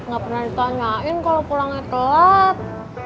gak pernah ditanyain kalo pulangnya telat